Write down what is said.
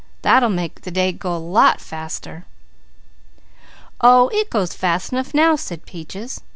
That'll help make the day go a lot faster." "Oh it goes fast enough now," said Peaches.